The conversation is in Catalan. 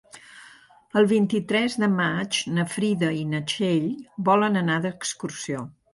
El vint-i-tres de maig na Frida i na Txell volen anar d'excursió.